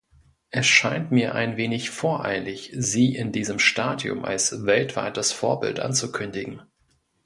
Es scheint mir ein wenig voreilig, sie in diesem Stadium als weltweites Vorbild anzukündigen.